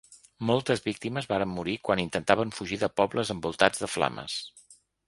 Moltes víctimes varen morir quan intentaven fugir de pobles envoltats de flames.